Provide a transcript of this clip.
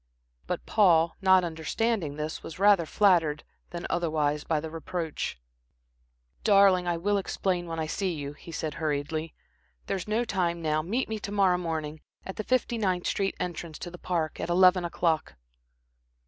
But Paul, not understanding this was rather flattered than otherwise by the reproach. "Darling, I will explain when I see you," he said, hurriedly. "There's no time now. Meet me to morrow morning at the Fifty ninth street entrance to the Park, at eleven o'clock."